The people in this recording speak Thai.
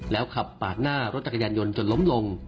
แล้วขับปาดหน้ารถจักรยานยนต์จนล้มลง